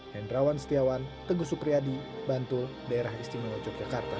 hendrawan setiawan teguh supriyadi bantul daerah istimewa yogyakarta